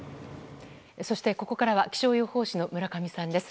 そして、ここからは気象予報士の村上さんです。